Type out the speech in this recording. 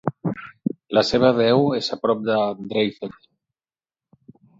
La seva deu és a prop de Dreifelden.